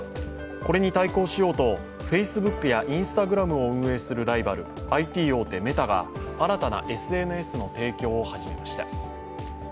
これに対抗しようとＦａｃｅｂｏｏｋやＩｎｓｔａｇｒａｍを運営するライバルＩＴ大手メタが新たなＳＮＳの提供を始めました。